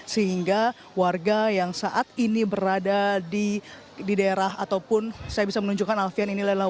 sehingga warga yang saat ini berada di daerah ataupun saya bisa menunjukkan alvian inilah